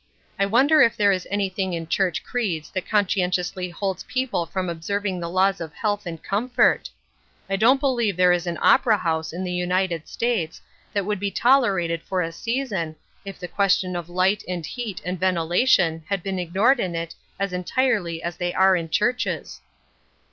I wonder if there is any thing in church creeds that conscientiously holds people from observing the laws of health and comfort ? I don't believe there is an opera house in the United States that would be tolerated for a season, if the question of light and heat and ventilation had been ignored in it as entirely as they are in churches."